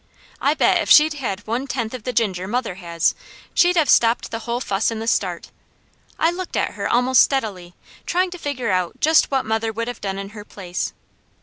I bet if she'd had one tenth of the ginger mother has, she'd have stopped the whole fuss in the start. I looked at her almost steadily, trying to figure out just what mother would have done in her place.